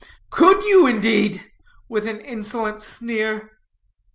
"Could you, indeed?" with an insolent sneer.